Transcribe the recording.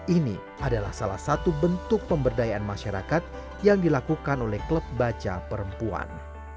ini adalah salah satu bentuk pemberdayaan masyarakat yang dilakukan oleh klub baca perempuan